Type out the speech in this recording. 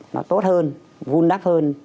nó tốt hơn vun đắc hơn